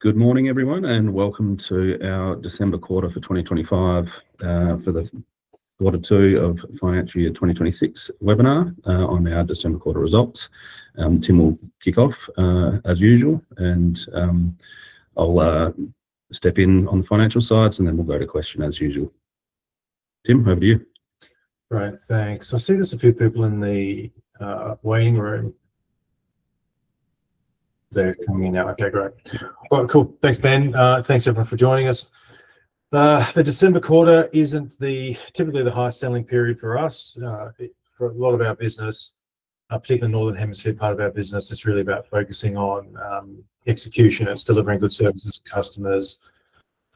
Good morning, everyone, and welcome to our December Quarter for 2025, for the Quarter Two of Financial Year 2026 webinar, on our December Quarter results. Tim will kick off, as usual, and I'll step in on the financial sides, and then we'll go to question as usual. Tim, over to you. Right, thanks. I see there's a few people in the waiting room. They're coming in now. Okay, great. Well, cool. Thanks, Ben. Thanks, everyone, for joining us. The December Quarter isn't typically the highest selling period for us. For a lot of our business, particularly the Northern Hemisphere part of our business, it's really about focusing on execution. It's delivering good services to customers,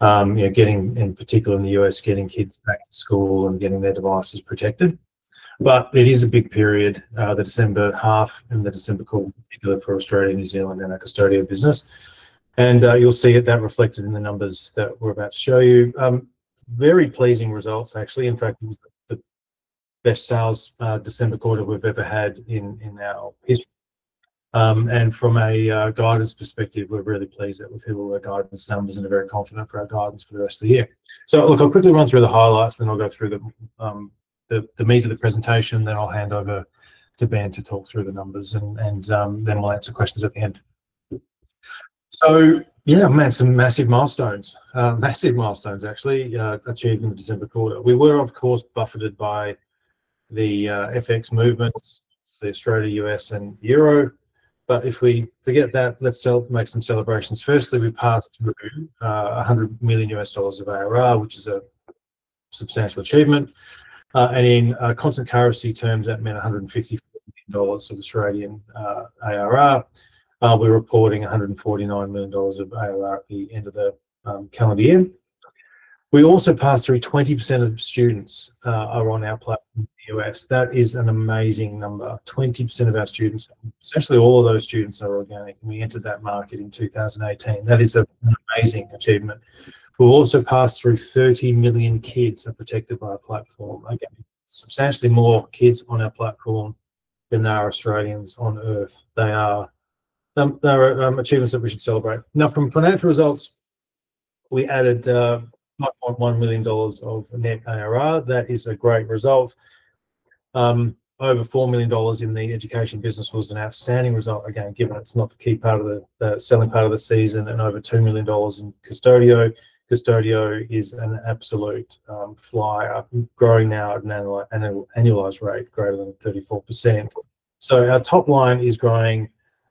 you know, getting, in particular in the U.S., getting kids back to school and getting their devices protected. But it is a big period, the December half and the December quarter, particularly for Australia, New Zealand, and our Qustodio business. And you'll see that reflected in the numbers that we're about to show you. Very pleasing results, actually. In fact, it was the best sales December quarter we've ever had in our history. From a guidance perspective, we're really pleased that we've hit all our guidance numbers and are very confident for our guidance for the rest of the year. So, look, I'll quickly run through the highlights, then I'll go through the meat of the presentation, then I'll hand over to Ben to talk through the numbers, and then we'll answer questions at the end. So, yeah, man, some massive milestones, actually, achieved in the December quarter. We were, of course, buffeted by the FX movements, the Australian, U.S., and euro. But if we forget that, let's make some celebrations. Firstly, we passed through AUD 100 million of ARR, which is a substantial achievement. And in constant currency terms, that meant 154 million dollars of Australian ARR. We're reporting 149 million dollars of ARR at the end of the calendar year. We also passed 20% of students are on our platform in the U.S. That is an amazing number. 20% of our students, essentially all of those students, are organic. We entered that market in 2018. That is an amazing achievement. We have also passed 30 million kids that are protected by our platform. Okay. Substantially more kids on our platform than there are Australians on Earth. They are achievements that we should celebrate. Now, from financial results, we added 5.1 million dollars of net ARR. That is a great result. Over 4 million dollars in the education business was an outstanding result. Again, given it is not the key part of the selling part of the season, and over 2 million dollars in Qustodio. Qustodio is an absolute flyer, growing now at an annualized rate greater than 34%. Our top line is growing,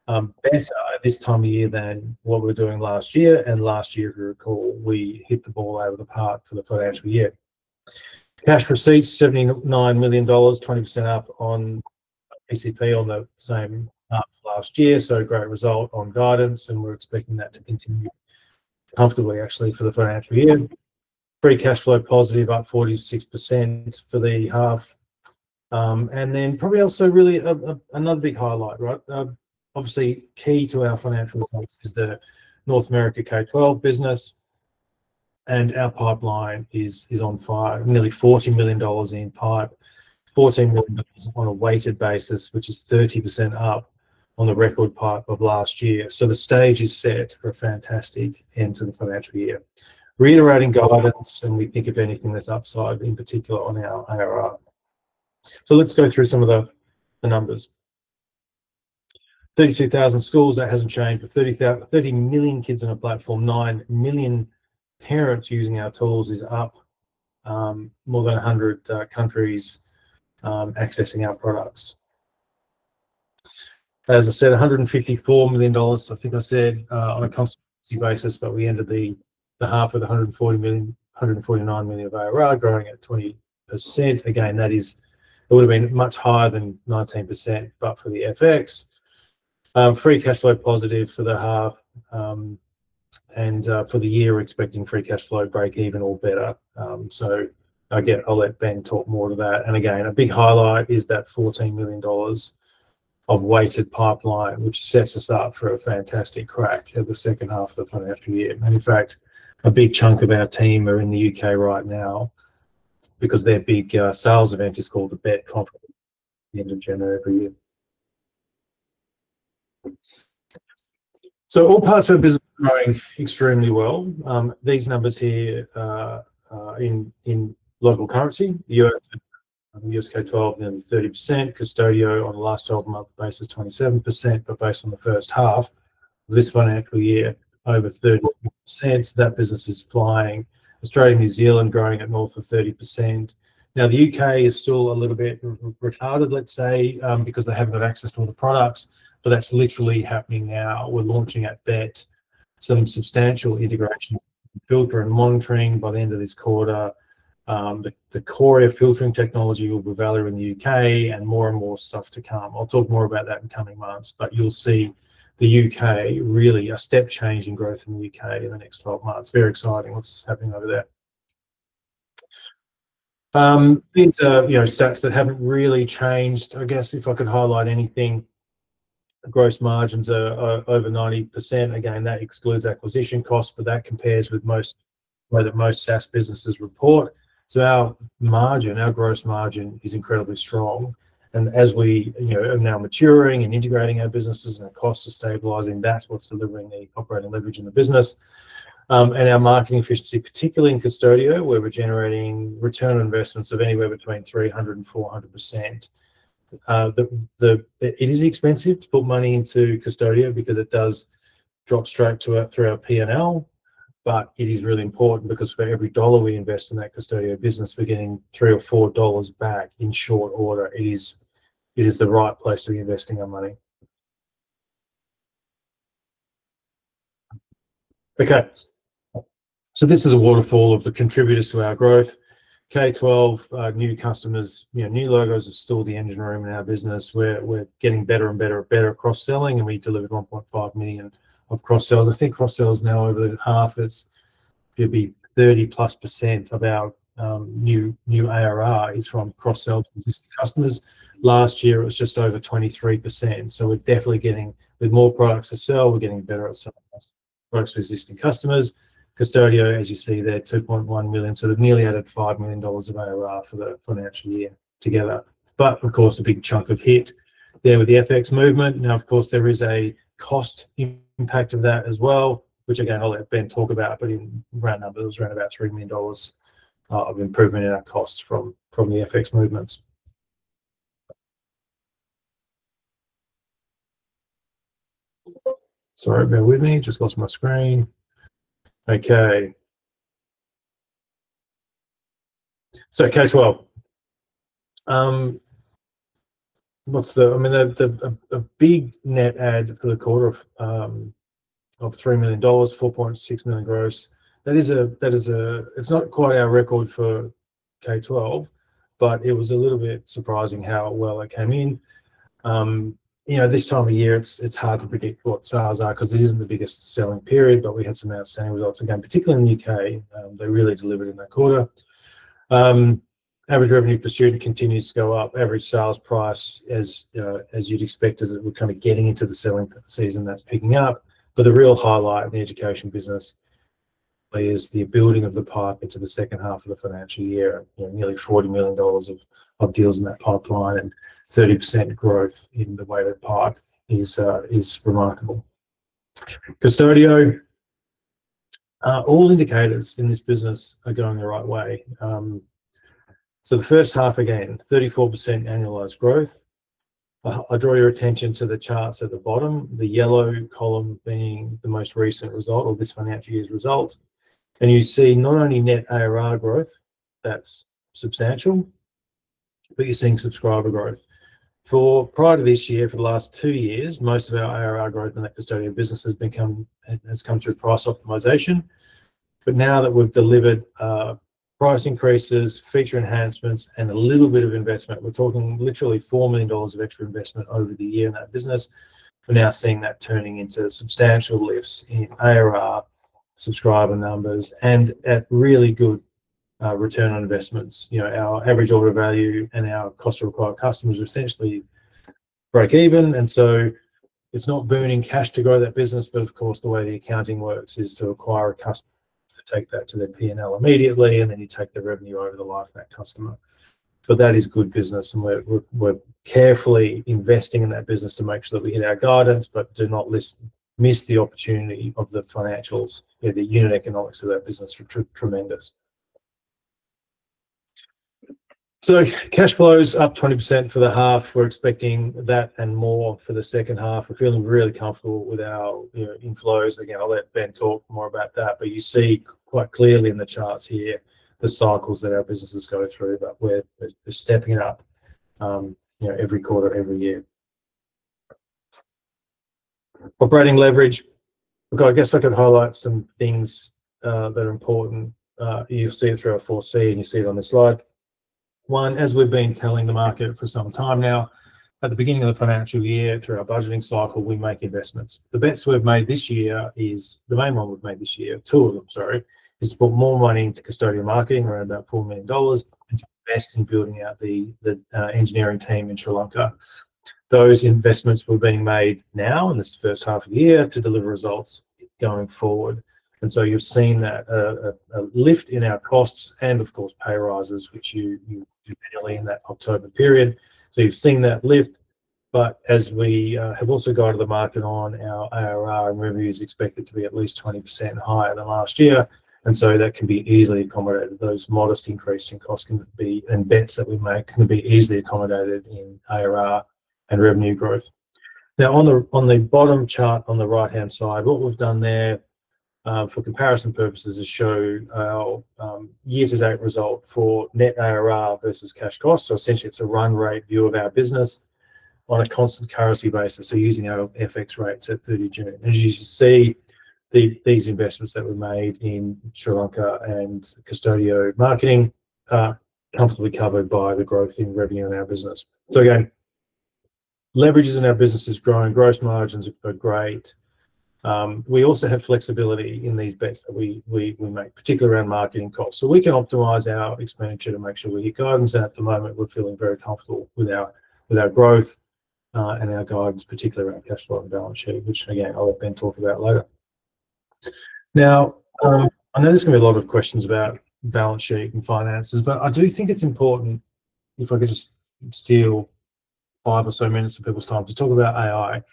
better this time of year than what we were doing last year. Last year, if you recall, we hit the ball out of the park for the financial year. Cash receipts, 79 million dollars, 20% up on PCP on the same half last year. Great result on guidance, and we're expecting that to continue comfortably, actually, for the financial year. Free cash flow positive, up 46% for the half. Then probably also really another big highlight, right? Obviously key to our financial results is the North America K-12 business, and our pipeline is on fire. Nearly $40 million in pipe, $14 million on a weighted basis, which is 30% up on the record pipe of last year. The stage is set for a fantastic end to the financial year. Reiterating guidance and we think of anything that's upside in particular on our ARR. So let's go through some of the numbers. 32,000 schools, that hasn't changed. But 30,000, 30 million kids on a platform, 9 million parents using our tools is up, more than 100 countries, accessing our products. As I said, 154 million dollars, I think I said, on a constant basis, but we entered the half of the 140 million, 149 million of ARR, growing at 20%. Again, that is, it would have been much higher than 19%, but for the FX, free cash flow positive for the half, and, for the year, we're expecting free cash flow break even or better, so I'll let Ben talk more to that. Again, a big highlight is that $14 million of weighted pipeline, which sets us up for a fantastic crack at the second half of the financial year. In fact, a big chunk of our team are in the U.K. right now because their big sales event is called the Bett Conference at the end of January every year. All parts of our business are growing extremely well. These numbers here, in local currency, the U.S., U.S. K-12, and 30% Qustodio on a last 12-month basis, 27%. Based on the first half of this financial year, over 30%, that business is flying. Australia, New Zealand, growing at north of 30%. Now, the U.K. is still a little bit retarded, let's say, because they haven't got access to all the products, but that's literally happening now. We're launching a substantial integration filter and monitoring by the end of this quarter. The Qoria filtering technology will be valued in the U.K. and more and more stuff to come. I'll talk more about that in coming months, but you'll see the U.K. really a step change in growth in the U.K. in the next 12 months. Very exciting what's happening over there. These, you know, stats that haven't really changed, I guess, if I could highlight anything, gross margins are over 90%. Again, that excludes acquisition costs, but that compares with most, you know, that most SaaS businesses report. So our margin, our gross margin is incredibly strong. And as we, you know, are now maturing and integrating our businesses and our costs are stabilizing, that's what's delivering the operating leverage in the business. and our marketing efficiency, particularly in Qustodio, where we're generating return on investments of anywhere between 300% and 400%. It is expensive to put money into Qustodio because it does drop straight to our, through our P&L, but it is really important because for every dollar we invest in that Qustodio business, we're getting three or four dollars back in short order. It is the right place to be investing our money. Okay. So this is a waterfall of the contributors to our growth. K-12, new customers, you know, new logos are still the engine room in our business. We're getting better and better cross-selling, and we delivered 1.5 million of cross-sales. I think cross-sales now over the half, it'd be 30-plus% of our new ARR is from cross-sales to existing customers. Last year, it was just over 23%. So we're definitely getting, with more products to sell, we're getting better at selling products to resistant customers. Qustodio, as you see there, $2.1 million. So they've nearly added $5 million of ARR for the financial year together. But of course, a big chunk of hit there with the FX movement. Now, of course, there is a cost impact of that as well, which again, I'll let Ben talk about, but in round numbers, around about $3 million of improvement in our costs from the FX movements. Sorry, bear with me. Just lost my screen. Okay. So K12, what's the, I mean, a big net add for the quarter of $3 million, $4.6 million gross. That is a, it's not quite our record for K12, but it was a little bit surprising how well it came in. You know, this time of year, it's hard to predict what sales are because it isn't the biggest selling period, but we had some outstanding results. Again, particularly in the U.K., they really delivered in that quarter. Average revenue per student continues to go up. Average sales price, as you'd expect, as we're kind of getting into the selling season, that's picking up, but the real highlight in the education business is the building of the pipe into the second half of the financial year. You know, nearly $40 million of deals in that pipeline and 30% growth in the way that pipe is remarkable. Qustodio, all indicators in this business are going the right way, so the first half, again, 34% annualized growth. I'll draw your attention to the charts at the bottom, the yellow column being the most recent result or this financial year's result. You see not only net ARR growth, that's substantial, but you're seeing subscriber growth. Prior to this year, for the last two years, most of our ARR growth in that Qustodio business has come through price optimization. But now that we've delivered price increases, feature enhancements, and a little bit of investment, we're talking literally $4 million of extra investment over the year in that business. We're now seeing that turning into substantial lifts in ARR, subscriber numbers, and that really good return on investments. You know, our average order value and our cost to acquire customers essentially break even. And so it's not burning cash to grow that business, but of course, the way the accounting works is to acquire a customer, take that to their P&L immediately, and then you take the revenue over the life of that customer. But that is good business, and we're carefully investing in that business to make sure that we hit our guidance, but do not miss the opportunity of the financials, the unit economics of that business are tremendous. So cash flows up 20% for the half. We're expecting that and more for the second half. We're feeling really comfortable with our, you know, inflows. Again, I'll let Ben talk more about that, but you see quite clearly in the charts here the cycles that our businesses go through, but we're stepping it up, you know, every quarter, every year. Operating leverage. Look, I guess I could highlight some things that are important. You'll see it through our 4C, and you see it on the slide. One, as we've been telling the market for some time now, at the beginning of the financial year, through our budgeting cycle, we make investments. The bets we've made this year is the main one we've made this year, two of them, sorry, is to put more money into Qustodio marketing, around about 4 million dollars, and to invest in building out the engineering team in Sri Lanka. Those investments were being made now in this first half of year to deliver results going forward. You've seen that, a lift in our costs and, of course, pay raises, which you did in that October period. You've seen that lift, but as we have also gone to the market on our ARR, and revenue is expected to be at least 20% higher than last year. That can be easily accommodated. Those modest increases in cost can be, and bets that we make can be easily accommodated in ARR and revenue growth. Now, on the bottom chart on the right-hand side, what we've done there, for comparison purposes is show our, year-to-date result for net ARR versus cash costs. So essentially, it's a run rate view of our business on a constant currency basis. So using our FX rates at 30 June. As you can see, these investments that we've made in Sri Lanka and Qustodio marketing, comfortably covered by the growth in revenue in our business. So again, leverages in our business is growing. Gross margins are great. We also have flexibility in these bets that we make, particularly around marketing costs. So we can optimize our expenditure to make sure we hit guidance. At the moment, we're feeling very comfortable with our, with our growth, and our guidance, particularly around cash flow and balance sheet, which again, I'll let Ben talk about later. Now, I know there's gonna be a lot of questions about balance sheet and finances, but I do think it's important, if I could just steal five or so minutes of people's time to talk about AI.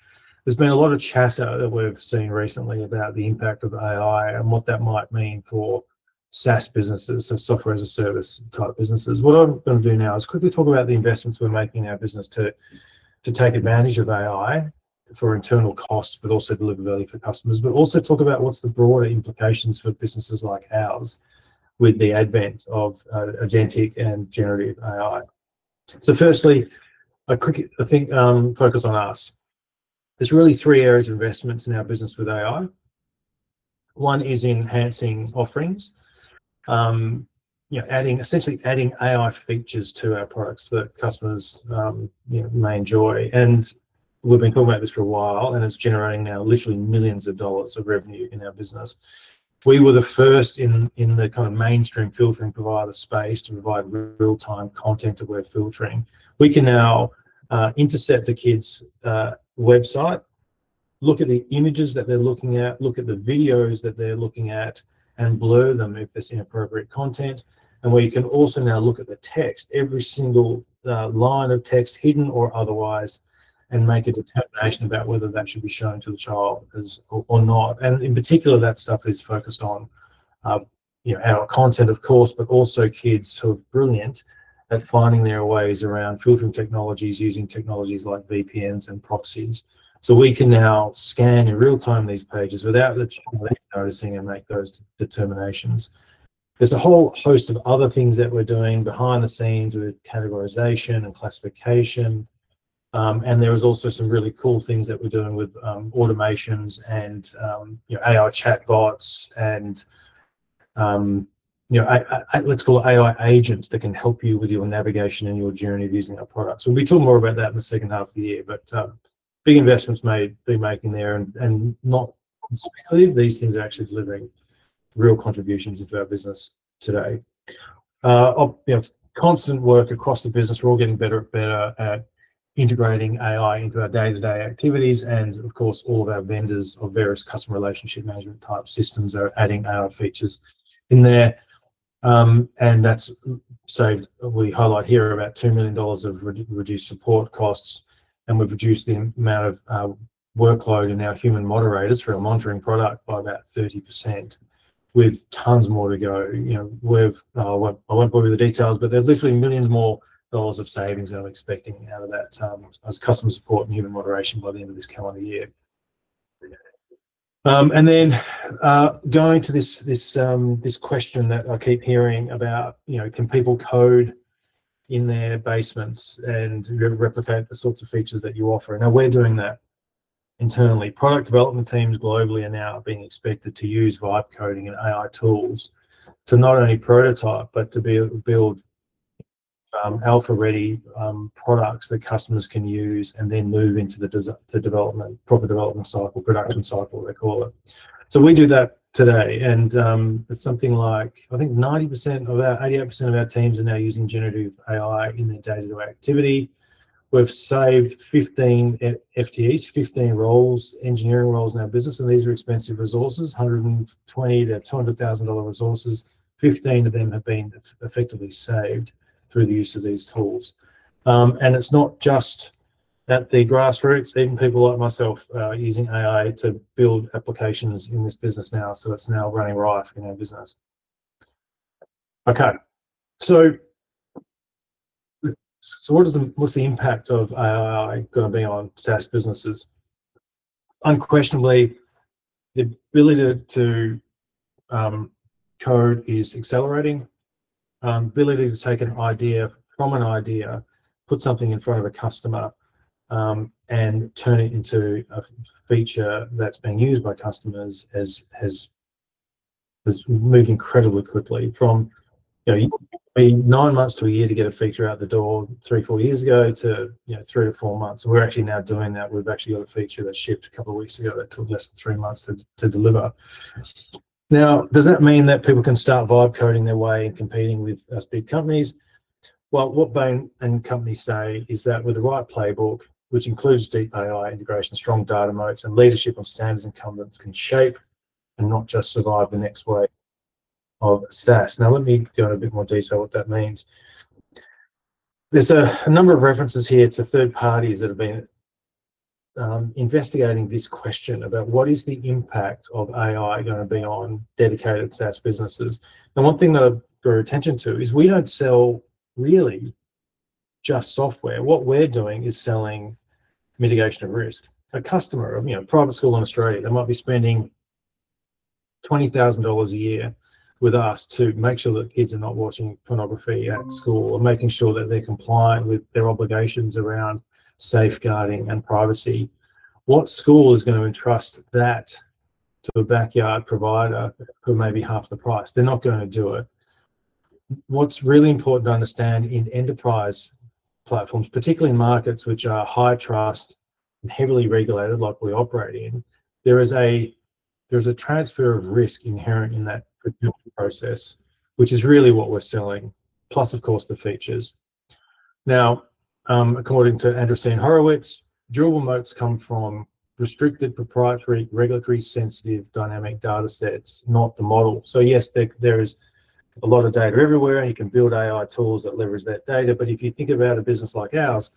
There's been a lot of chatter that we've seen recently about the impact of AI and what that might mean for SaaS businesses, so software as a service type businesses. What I'm gonna do now is quickly talk about the investments we're making in our business to, to take advantage of AI for internal costs, but also deliver value for customers. Also talk about what's the broader implications for businesses like ours with the advent of, agentic and generative AI. So firstly, a quick, I think, focus on us. There's really three areas of investments in our business with AI. One is enhancing offerings, you know, adding, essentially adding AI features to our products that customers, you know, may enjoy. And we've been talking about this for a while, and it's generating now literally millions of dollars of revenue in our business. We were the first in, in the kind of mainstream filtering provider space to provide real-time content to web filtering. We can now intercept the kid's website, look at the images that they're looking at, look at the videos that they're looking at, and blur them if there's inappropriate content. And we can also now look at the text, every single, line of text hidden or otherwise, and make a determination about whether that should be shown to the child as is or not. In particular, that stuff is focused on, you know, our content, of course, but also kids who are brilliant at finding their ways around filtering technologies, using technologies like VPNs and proxies. So we can now scan in real-time these pages without the child noticing and make those determinations. There's a whole host of other things that we're doing behind the scenes with categorization and classification, and there are also some really cool things that we're doing with automations and, you know, AI chatbots and, you know, let's call it AI agents that can help you with your navigation and your journey of using our products. We'll be talking more about that in the second half of the year, but big investments may be making there and not specifically if these things are actually delivering real contributions into our business today. You know, constant work across the business. We're all getting better and better at integrating AI into our day-to-day activities. And of course, all of our vendors of various customer relationship management type systems are adding our features in there. And that's saved. We highlight here about $2 million of reduced support costs, and we've reduced the amount of workload in our human moderators for our monitoring product by about 30% with tons more to go. You know, we've. I won't go over the details, but there's literally millions more dollars of savings I'm expecting out of that, as customer support and human moderation by the end of this calendar year. And then, going to this question that I keep hearing about, you know, can people code in their basements and replicate the sorts of features that you offer? And now we're doing that internally. Product development teams globally are now being expected to use Vibe Coding and AI tools to not only prototype but to be able to build, alpha-ready, products that customers can use and then move into the development, proper development cycle, production cycle, they call it, so we do that today. And it's something like, I think 90% of our, 88% of our teams are now using generative AI in their day-to-day activity. We've saved 15 FTEs, 15 roles, engineering roles in our business, and these are expensive resources, $120,000-$200,000 resources. 15 of them have been effectively saved through the use of these tools, and it's not just at the grassroots, even people like myself, using AI to build applications in this business now. So it's now running rife in our business. Okay. What is the impact of AI gonna be on SaaS businesses? Unquestionably, the ability to code is accelerating. The ability to take an idea, put something in front of a customer, and turn it into a feature that's being used by customers has moved incredibly quickly from, you know, nine months to a year to get a feature out the door three, four years ago to, you know, three to four months. We're actually now doing that. We've actually got a feature that shipped a couple of weeks ago that took less than three months to deliver. Now, does that mean that people can start Vibe Coding their way and competing with us big companies? What Bain & Company say is that with the right playbook, which includes deep AI integration, strong data moats, and leadership on standards, incumbents can shape and not just survive the next wave of SaaS. Now, let me go into a bit more detail what that means. There's a number of references here to third parties that have been investigating this question about what is the impact of AI gonna be on dedicated SaaS businesses. One thing that I've brought attention to is we don't sell really just software. What we're doing is selling mitigation of risk. A customer of, you know, private school in Australia, they might be spending 20,000 dollars a year with us to make sure that kids are not watching pornography at school or making sure that they're compliant with their obligations around safeguarding and privacy. What school is gonna entrust that to a backyard provider for maybe half the price? They're not gonna do it. What's really important to understand in enterprise platforms, particularly in markets which are high trust and heavily regulated like we operate in, there is a transfer of risk inherent in that production process, which is really what we're selling, plus of course the features. Now, according to Andreessen Horowitz, durable moats come from restricted proprietary regulatory sensitive dynamic data sets, not the model. So yes, there is a lot of data everywhere, and you can build AI tools that leverage that data. But if you think about a business like ours,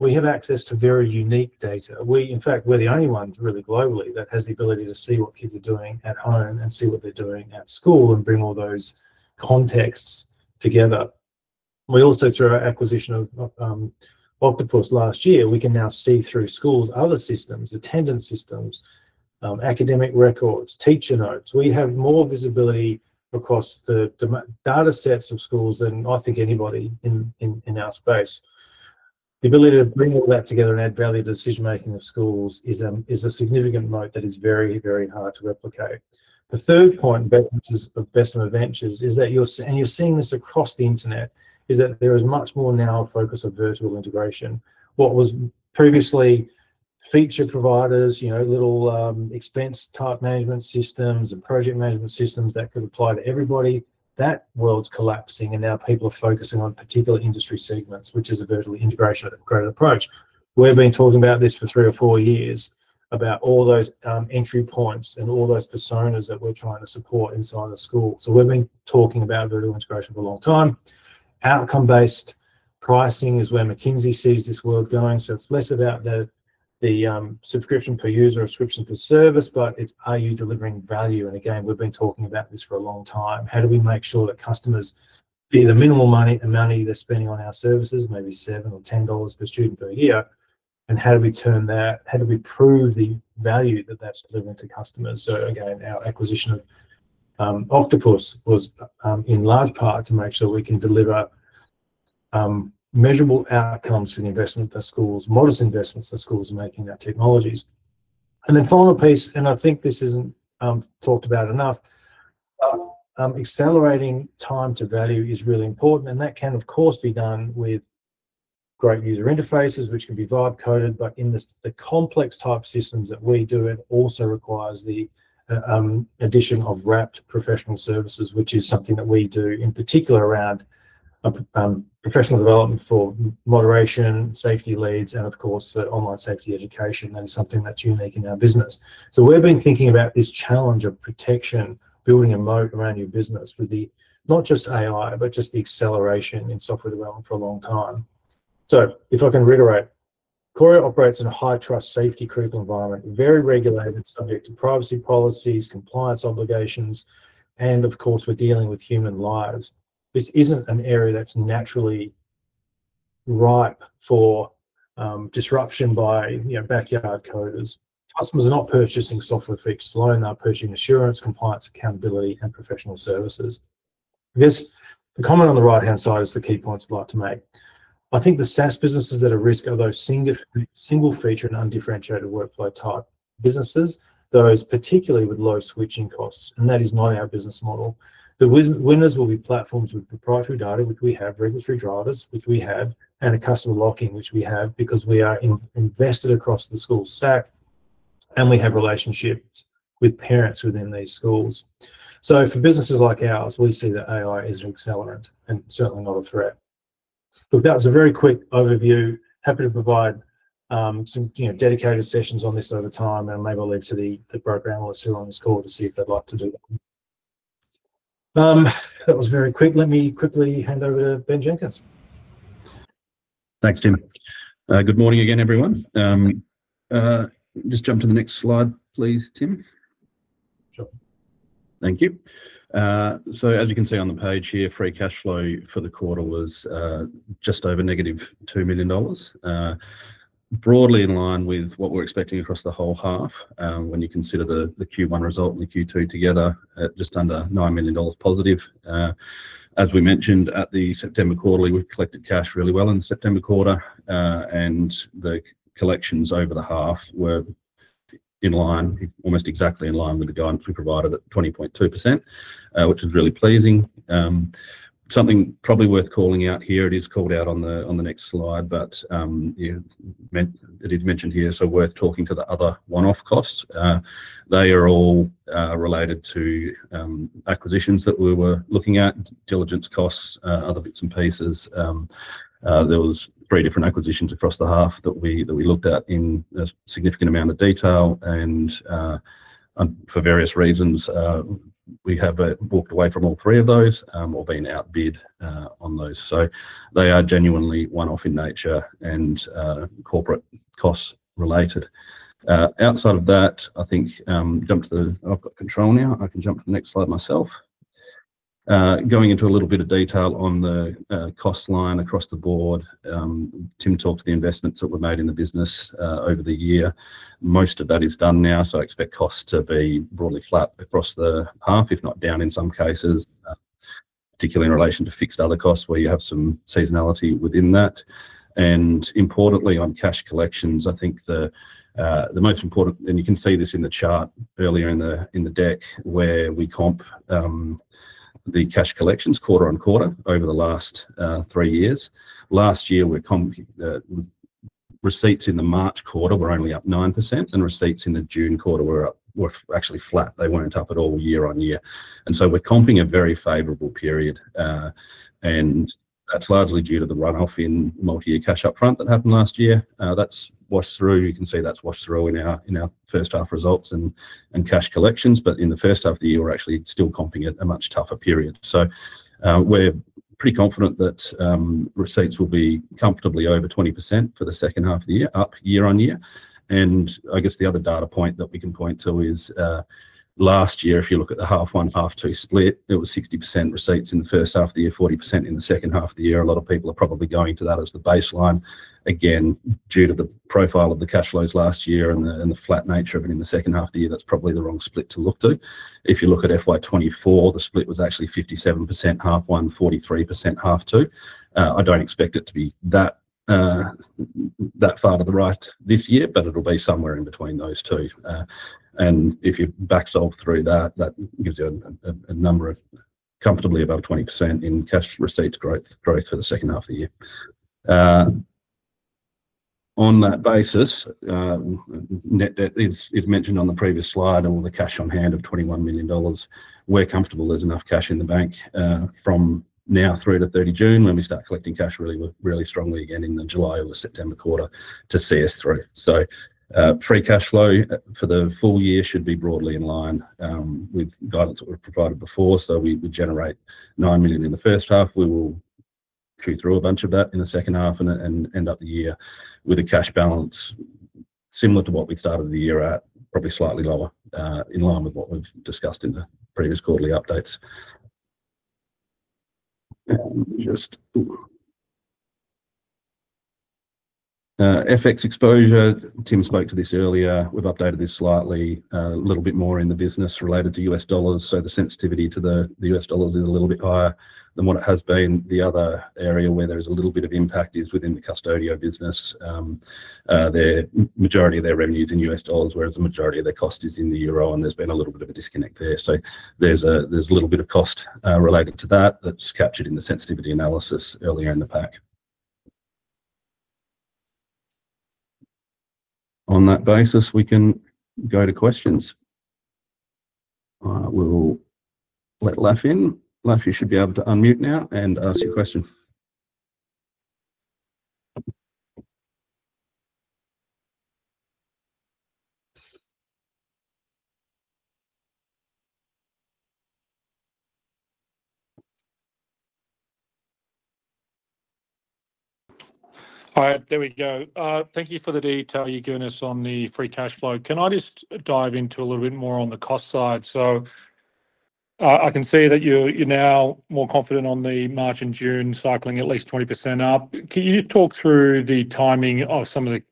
we have access to very unique data. We, in fact, we're the only ones really globally that has the ability to see what kids are doing at home and see what they're doing at school and bring all those contexts together. We also, through our acquisition of OctopusBI last year, we can now see through schools, other systems, attendance systems, academic records, teacher notes. We have more visibility across the data sets of schools than I think anybody in our space. The ability to bring all that together and add value to decision making of schools is a significant moat that is very, very hard to replicate. The third point, Bessemer Venture Partners is that you're seeing this across the internet, there is much more now a focus of vertical integration. What was previously feature providers, you know, little expense-type management systems and project management systems that could apply to everybody, that world's collapsing, and now people are focusing on particular industry segments, which is a vertical integration, a greater approach. We've been talking about this for three or four years about all those entry points and all those personas that we're trying to support inside the school. So we've been talking about vertical integration for a long time. Outcome-based pricing is where McKinsey sees this world going. So it's less about the subscription per user or subscription per service, but it's, are you delivering value? And again, we've been talking about this for a long time. How do we make sure that customers pay the minimal money amount they're spending on our services, maybe $7 or $10 per student per year? And how do we turn that? How do we prove the value that that's delivering to customers? So again, our acquisition of OctopusBI was in large part to make sure we can deliver measurable outcomes for the modest investments that schools are making in our technologies. And the final piece, and I think this isn't talked about enough, accelerating time to value is really important. And that can of course be done with great user interfaces, which can be Vibe coded, but in the complex type systems that we do, it also requires the addition of wrapped professional services, which is something that we do in particular around professional development for moderation, safety leads, and of course for online safety education. That is something that's unique in our business. So we've been thinking about this challenge of protection, building a moat around your business with the, not just AI, but just the acceleration in software development for a long time. So if I can reiterate, Qoria operates in a high trust, safety, critical environment, very regulated, subject to privacy policies, compliance obligations, and of course, we're dealing with human lives. This isn't an area that's naturally ripe for, disruption by, you know, backyard coders. Customers are not purchasing off-the-shelf software. They're purchasing assurance, compliance, accountability, and professional services. I guess the comment on the right-hand side is the key points I'd like to make. I think the SaaS businesses that are at risk are those single feature and undifferentiated workflow type businesses, those particularly with low switching costs. And that is not our business model. The winners will be platforms with proprietary data, which we have, regulatory drivers, which we have, and a customer lock-in, which we have because we are invested across the school stack, and we have relationships with parents within these schools. So for businesses like ours, we see that AI is an accelerant and certainly not a threat. Look, that was a very quick overview. Happy to provide some, you know, dedicated sessions on this over time, and I'll maybe leave to the program host here on this call to see if they'd like to do that. That was very quick. Let me quickly hand over to Ben Jenkins. Thanks, Tim. Good morning again, everyone. Just jump to the next slide, please, Tim. Sure. Thank you. So as you can see on the page here, free cash flow for the quarter was just over negative 2 million dollars, broadly in line with what we're expecting across the whole half. When you consider the Q1 result and the Q2 together, just under 9 million dollars positive. As we mentioned at the September quarter, we collected cash really well in the September quarter, and the collections over the half were in line, almost exactly in line with the guidance we provided at 20.2%, which is really pleasing. Something probably worth calling out here. It is called out on the next slide, but you know it is mentioned here, so worth talking to the other one-off costs. They are all related to acquisitions that we were looking at, diligence costs, other bits and pieces. There was three different acquisitions across the half that we looked at in a significant amount of detail. For various reasons, we have walked away from all three of those, or been outbid on those. So they are genuinely one-off in nature and corporate costs related. Outside of that, I think jump to the. I've got control now. I can jump to the next slide myself. Going into a little bit of detail on the cost line across the board, Tim talked to the investments that were made in the business over the year. Most of that is done now, so I expect costs to be broadly flat across the half, if not down in some cases, particularly in relation to fixed other costs where you have some seasonality within that. Importantly, on cash collections, I think the most important, and you can see this in the chart earlier in the deck where we comp the cash collections quarter on quarter over the last three years. Last year, we're comping receipts in the March quarter were only up 9%, and receipts in the June quarter were actually flat. They weren't up at all year on year. So we're comping a very favorable period, and that's largely due to the runoff in multi-year cash upfront that happened last year. That's washed through. You can see that's washed through in our first half results and cash collections. But in the first half of the year, we're actually still comping it a much tougher period. We're pretty confident that receipts will be comfortably over 20% for the second half of the year, up year on year. I guess the other data point that we can point to is last year. If you look at the half one, half two split, it was 60% receipts in the first half of the year, 40% in the second half of the year. A lot of people are probably going to that as the baseline. Again, due to the profile of the cash flows last year and the flat nature of it in the second half of the year, that's probably the wrong split to look to. If you look at FY24, the split was actually 57% half one, 43% half two. I don't expect it to be that far to the right this year, but it'll be somewhere in between those two. And if you back solve through that, that gives you a number of comfortably above 20% in cash receipts growth for the second half of the year. On that basis, net debt is mentioned on the previous slide and all the cash on hand of 21 million dollars. We're comfortable there's enough cash in the bank, from now through to 30 June when we start collecting cash really, really strongly again in the July or September quarter to see us through. So, free cash flow for the full year should be broadly in line, with guidance that we've provided before. So we generate nine million in the first half. We will chew through a bunch of that in the second half and end up the year with a cash balance similar to what we started the year at, probably slightly lower, in line with what we've discussed in the previous quarterly updates, and just FX exposure. Tim spoke to this earlier. We've updated this slightly, a little bit more in the business related to US dollars, so the sensitivity to the US dollars is a little bit higher than what it has been. The other area where there is a little bit of impact is within the Qustodio business. Their majority of their revenue is in US dollars, whereas the majority of their cost is in the euro, and there's been a little bit of a disconnect there. So there's a little bit of cost related to that that's captured in the sensitivity analysis earlier in the pack. On that basis, we can go to questions. We'll let Lach in. Lach, you should be able to unmute now and ask your question. All right, there we go. Thank you for the detail you've given us on the free cash flow. Can I just dive into a little bit more on the cost side? So, I can see that you're now more confident on the March and June cycling at least 20% up. Can you just talk through the timing of some of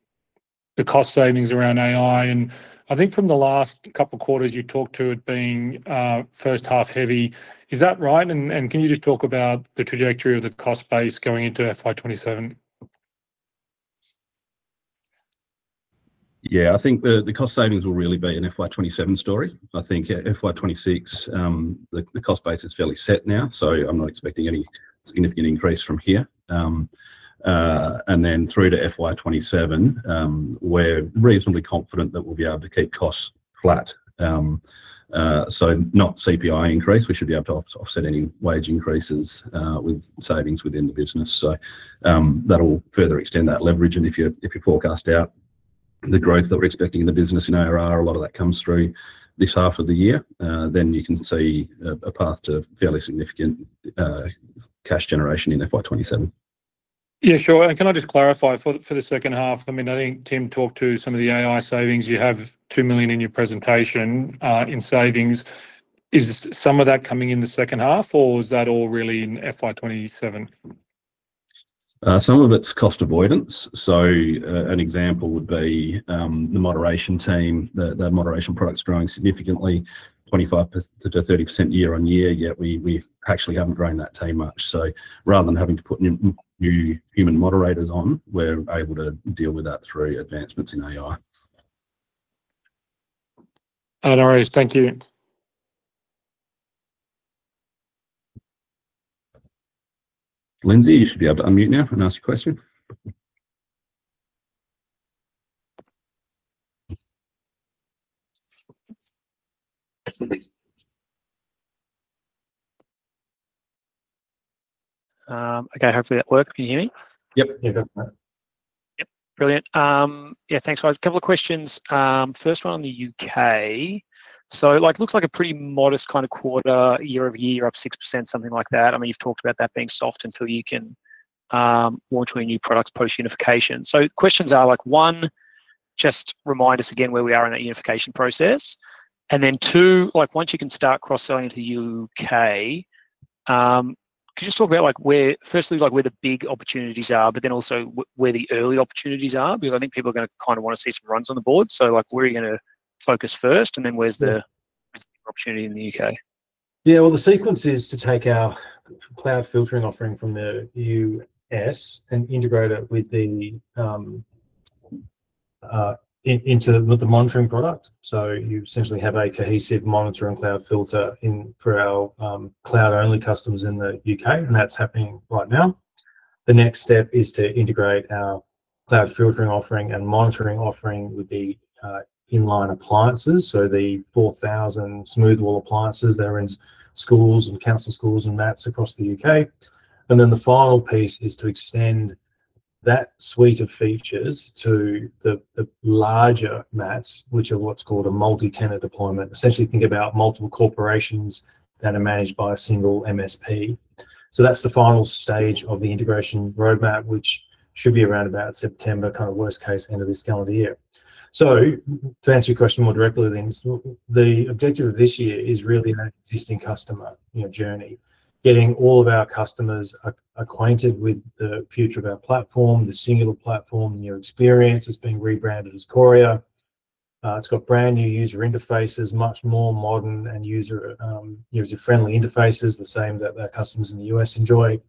the cost savings around AI? And I think from the last couple quarters you talked to it being first half heavy. Is that right? And can you just talk about the trajectory of the cost base going into FY27? Yeah, I think the cost savings will really be an FY27 story. I think FY26, the cost base is fairly set now, so I'm not expecting any significant increase from here. And then through to FY27, we're reasonably confident that we'll be able to keep costs flat. So not CPI increase. We should be able to offset any wage increases, with savings within the business. So, that'll further extend that leverage. And if you forecast out the growth that we're expecting in the business in ARR, a lot of that comes through this half of the year, then you can see a path to fairly significant cash generation in FY27. Yeah, sure. And can I just clarify for the second half? I mean, I think Tim talked to some of the AI savings. You have 2 million in your presentation, in savings. Is some of that coming in the second half, or is that all really in FY27? Some of it's cost avoidance. So, an example would be, the moderation team, the moderation product's growing significantly, 25%-30% year on year, yet we actually haven't grown that team much. So rather than having to put new human moderators on, we're able to deal with that through advancements in AI. All right, thank you. Lindsay, you should be able to unmute now and ask your question. Okay, hopefully that works. Can you hear me? Yep, you're good. Yep, brilliant. Yeah, thanks. I was a couple of questions. First one on the U.K. So like, looks like a pretty modest kind of quarter year over year, up 6%, something like that. I mean, you've talked about that being soft until you can launch new products post unification. Questions are like, one, just remind us again where we are in that unification process. And then two, like, once you can start cross-selling into the U.K., could you just talk about like where firstly, like where the big opportunities are, but then also where the early opportunities are? Because I think people are gonna kind of wanna see some runs on the board. So like, where are you gonna focus first? And then where's the opportunity in the U.K.? Yeah, well the sequence is to take our cloud filtering offering from the U.S. and integrate it with the, into the monitoring product. So you essentially have a cohesive monitor and cloud filtering for our cloud-only customers in the U.K., and that's happening right now. The next step is to integrate our cloud filtering offering and monitoring offering would be inline appliances. The 4,000 Smoothwall appliances that are in schools and council schools and MATs across the U.K. The final piece is to extend that suite of features to the larger MATs, which are what's called a multi-tenant deployment. Essentially think about multiple corporations that are managed by a single MSP. That's the final stage of the integration roadmap, which should be around about September, kind of worst case end of this calendar year. To answer your question more directly, then, the objective of this year is really an existing customer, you know, journey, getting all of our customers acquainted with the future of our platform, the singular platform. Your experience has been rebranded as Qoria. It has got brand new user interfaces, much more modern and user-friendly interfaces, the same that our customers in the U.S. enjoy.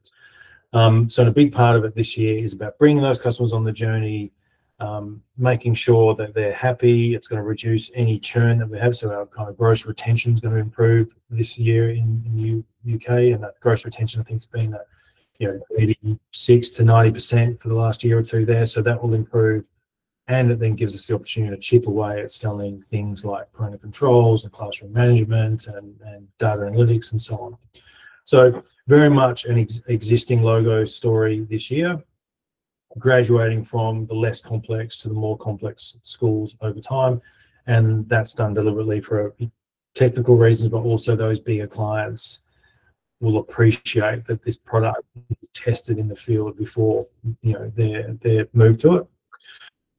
So a big part of it this year is about bringing those customers on the journey, making sure that they're happy. It's gonna reduce any churn that we have. So our kind of gross retention's gonna improve this year in the U.K. And that gross retention, I think, has been at, you know, 86%-90% for the last year or two there. So that will improve. And it then gives us the opportunity to chip away at selling things like printer controls and classroom management and data analytics and so on. So very much an existing logo story this year, graduating from the less complex to the more complex schools over time. And that's done deliberately for technical reasons, but also those bigger clients will appreciate that this product is tested in the field before, you know, they've moved to it.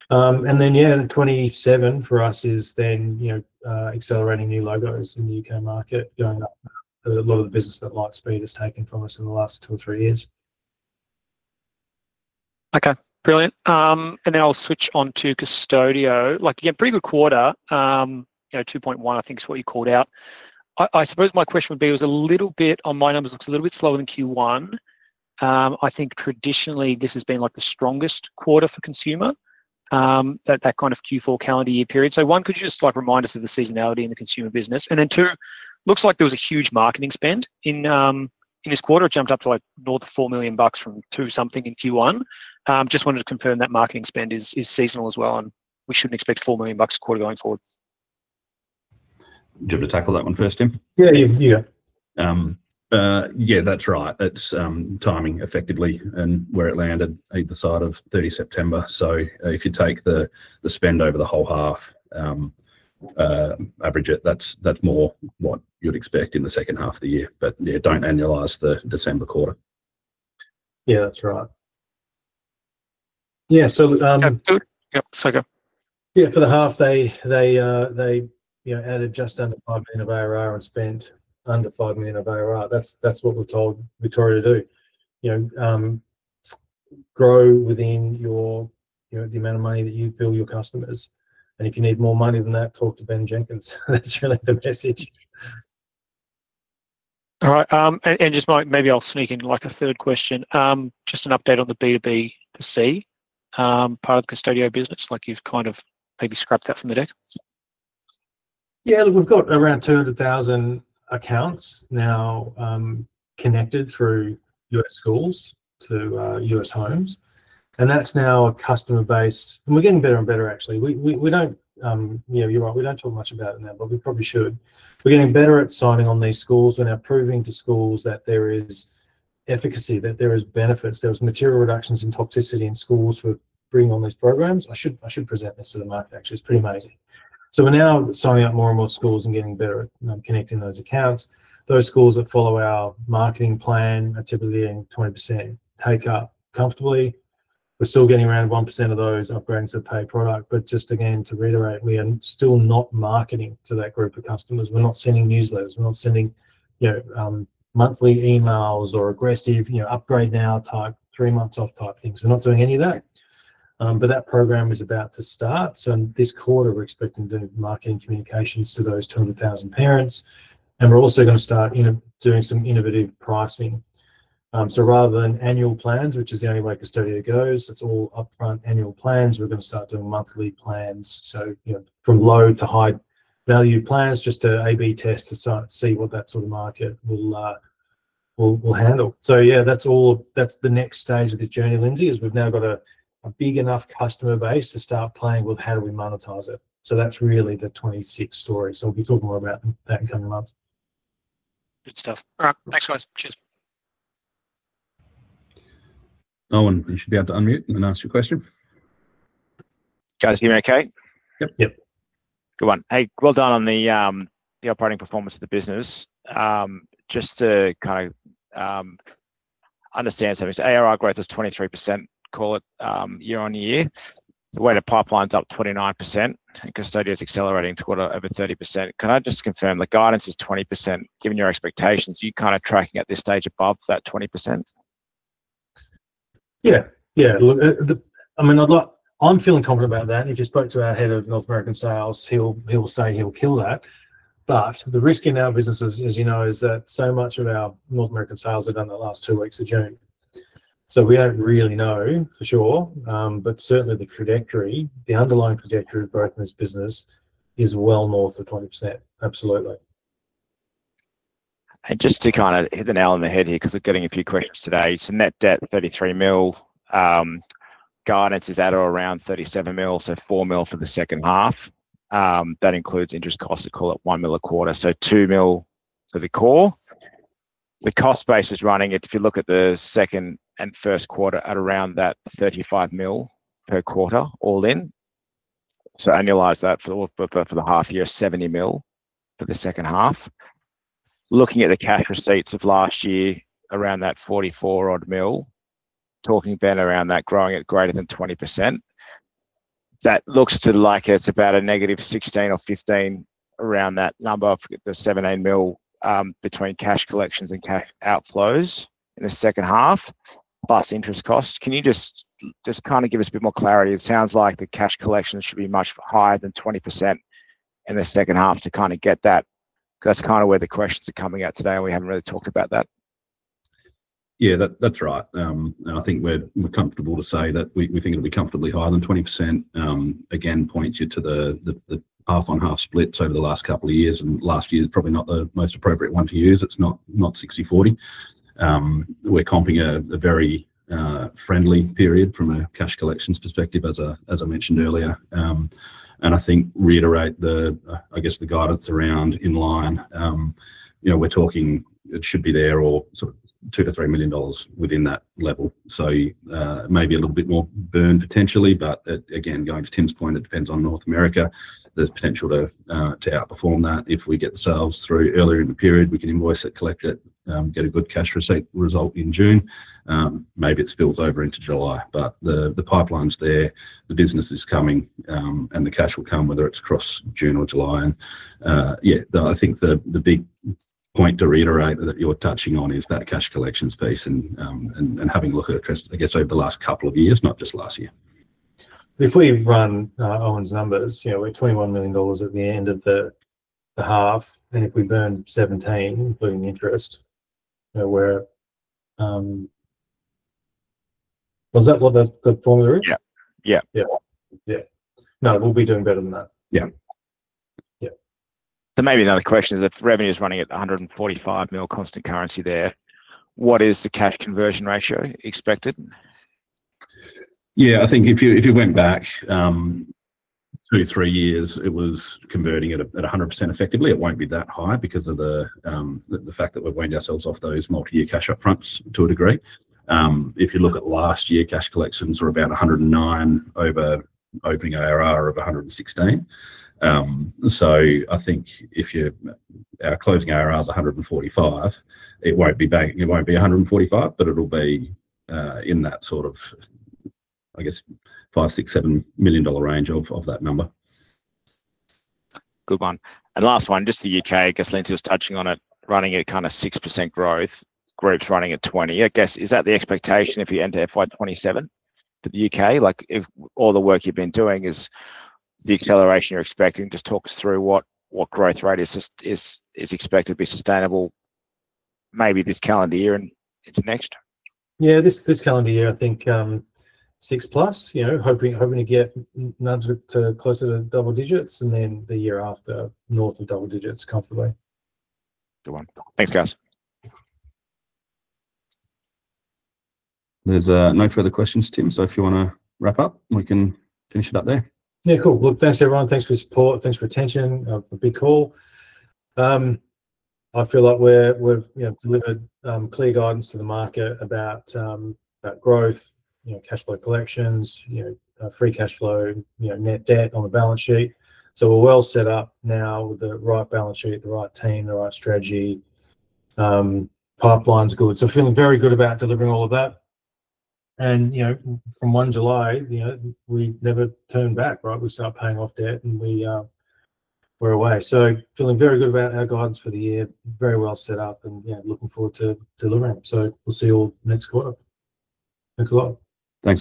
And then, yeah, in 27 for us is then, you know, accelerating new logos in the U.K. market, going up a lot of the business that Lightspeed has taken from us in the last two or three years. Okay, brilliant. And then I'll switch on to Qustodio. Like, again, pretty good quarter, you know, 2.1, I think is what you called out. I suppose my question would be was a little bit on my numbers, looks a little bit slower than Q1. I think traditionally this has been like the strongest quarter for consumer, that kind of Q4 calendar year period. So one, could you just like remind us of the seasonality in the consumer business? And then two, looks like there was a huge marketing spend in this quarter. It jumped up to like north of $4 million from two something in Q1. Just wanted to confirm that marketing spend is seasonal as well and we shouldn't expect 4 million bucks a quarter going forward. Do you have to tackle that one first, Tim? Yeah. That's right. It's timing effectively and where it landed either side of 30 September. So if you take the spend over the whole half, average it, that's more what you'd expect in the second half of the year. But yeah, don't analyze the December quarter. Yeah, that's right. So, Yeah, sorry. For the half, they, you know, added just under 5 million of ARR and spent under 5 million of ARR. That's what we've told Victoria to do, you know, grow within your, you know, the amount of money that you bill your customers. And if you need more money than that, talk to Ben Jenkins. That's really the message. All right. And just might, maybe I'll sneak in like a third question. Just an update on the B2B2C part of the Qustodio business, like you've kind of maybe scrapped that from the deck. Yeah, look, we've got around 200,000 accounts now, connected through U.S. schools to U.S. homes. And that's now a customer base. And we're getting better and better, actually. We don't, you know, you're right. We don't talk much about it now, but we probably should. We're getting better at signing on these schools and proving to schools that there is efficacy, that there is benefits. There was material reductions in toxicity in schools for bringing on these programs. I should present this to the market, actually. It's pretty amazing. So we're now signing up more and more schools and getting better at, you know, connecting those accounts. Those schools that follow our marketing plan are typically getting 20% take up comfortably. We're still getting around 1% of those upgrading to the pay product. But just again, to reiterate, we are still not marketing to that group of customers. We're not sending newsletters. We're not sending, you know, monthly emails or aggressive, you know, upgrade now type, three months off type things. We're not doing any of that. But that program is about to start. So this quarter, we're expecting to do marketing communications to those 200,000 parents. And we're also gonna start, you know, doing some innovative pricing. So rather than annual plans, which is the only way Qustodio goes, it's all upfront annual plans. We're gonna start doing monthly plans. So, you know, from low to high value plans, just to A/B test to see what that sort of market will handle. So yeah, that's all, that's the next stage of this journey, Lindsay, is we've now got a big enough customer base to start playing with how do we monetize it. So that's really the Q2 story. So we'll be talking more about that in coming months. Good stuff. All right, thanks guys. Cheers. Owen you should be able to unmute and ask your question. Guys, you okay? Yep. Yep. Good one. Hey, well done on the operating performance of the business. Just to kind of understand something. So ARR growth is 23%, call it, year on year. The weighted pipeline's up 29% and Qustodio's accelerating to over 30%. Can I just confirm the guidance is 20% given your expectations? You kind of tracking at this stage above that 20%? Yeah, yeah. Look, the, I mean, I'd like, I'm feeling confident about that. And if you spoke to our head of North American sales, he'll, he'll say he'll kill that. But the risk in our business, as you know, is that so much of our North American sales are done the last two weeks of June. So we don't really know for sure. But certainly the trajectory, the underlying trajectory of growth in this business is well north of 20%. Absolutely. And just to kind of hit the nail on the head here, 'cause we're getting a few questions today. So net debt 33 million, guidance is at or around 37 million, so 4 million for the second half. That includes interest costs, call it 1 million a quarter. So 2 million for the core. The cost base is running it, if you look at the first and second quarter at around 35 million per quarter all in. So annualize that for the half year, 70 million for the second half. Looking at the cash receipts of last year, around that 44-odd million, talking Ben around that growing at greater than 20%. That looks to like it's about a negative 16 or 15 around that number of the 7-8 million, between cash collections and cash outflows in the second half plus interest costs. Can you just kind of give us a bit more clarity? It sounds like the cash collections should be much higher than 20% in the second half to kind of get that. That's kind of where the questions are coming out today, and we haven't really talked about that. Yeah, that, that's right. And I think we're comfortable to say that we think it'll be comfortably higher than 20%. Again, points you to the half on half splits over the last couple of years. Last year's probably not the most appropriate one to use. It's not 60-40. We're comping a very friendly period from a cash collections perspective, as I mentioned earlier. And I think reiterate the guidance around in line, you know, we're talking it should be there or sort of two to $3 million within that level. So, maybe a little bit more burn potentially, but again, going to Tim's point, it depends on North America. There's potential to outperform that. If we get the sales through earlier in the period, we can invoice it, collect it, get a good cash receipt result in June. Maybe it spills over into July, but the pipeline's there, the business is coming, and the cash will come whether it's across June or July. And, yeah, I think the big point to reiterate that you're touching on is that cash collections piece and having a look at it across, I guess, over the last couple of years, not just last year. If we run Owen's numbers, you know, we're 21 million dollars at the end of the half. And if we burn 17, including interest, you know, was that what the formula is? Yeah. No, we'll be doing better than that. Yeah. So maybe another question is if revenue's running at 145 million constant currency there, what is the cash conversion ratio expected? Yeah, I think if you went back two, three years, it was converting at a 100% effectively. It won't be that high because of the fact that we've weaned ourselves off those multi-year cash upfronts to a degree. If you look at last year, cash collections are about 109 over opening ARR of 116. So I think if you're our closing ARR's 145, it won't be bank, it won't be 145, but it'll be in that sort of five, six, seven million dollar range of that number. Good one. And last one, just the U.K., I guess Lindsay was touching on it, running at kind of 6% growth, groups running at 20%, I guess. Is that the expectation if you enter FY 27 for the U.K.? Like if all the work you've been doing is the acceleration you're expecting, just talk us through what growth rate is expected to be sustainable maybe this calendar year and into next? Yeah, this calendar year, I think, six plus, you know, hoping to get numbers to closer to double digits and then the year after north of double digits comfortably. Good one. Thanks, guys. There's no further questions, Tim. So if you wanna wrap up, we can finish it up there. Yeah, cool. Look, thanks everyone. Thanks for your support. Thanks for your attention. A big call. I feel like we've, you know, delivered clear guidance to the market about growth, you know, cash flow collections, you know, free cash flow, you know, net debt on the balance sheet. So we're well set up now with the right balance sheet, the right team, the right strategy, pipeline's good. So feeling very good about delivering all of that. And, you know, from 1 July, you know, we never turned back, right? We start paying off debt and we, we're away. So feeling very good about our guidance for the year, very well set up and, you know, looking forward to delivering. So we'll see you all next quarter. Thanks a lot. Thanks.